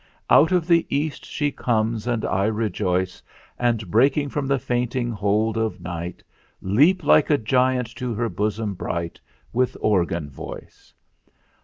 "Out of the East she comes, and I rejoice, And, breaking from the fainting hold of night, Leap like a giant to her bosom bright With organ voice.